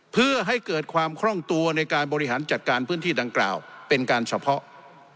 เพื่อให้เกิดความคล่องตัวในการบริหารจัดการพื้นที่ดังกล่าวเป็นการเฉพาะ